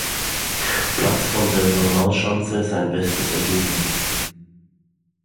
Platz von der Normalschanze sein bestes Ergebnis.